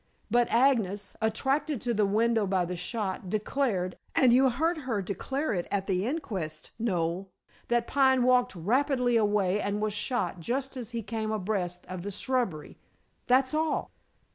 But Agnes, attracted to the window by the shot, declared and you heard her declare it at the inquest, Noel that Pine walked rapidly away and was shot just as he came abreast of the shrubbery. That's all."